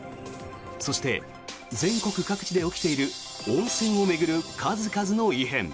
そして全国各地で起きている温泉を巡る数々の異変。